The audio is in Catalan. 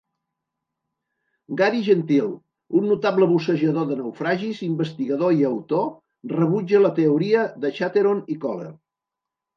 Gary Gentile, un notable bussejador de naufragis, investigador i autor, rebutja la teoria de Chatteron i Kohler.